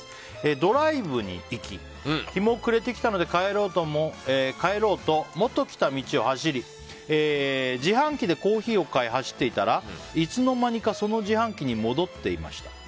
ドライブに行き日も暮れてきたので帰ろうともと来た道を走り自販機でコーヒーを買い走っていたらいつの間にかその自販機に戻っていました。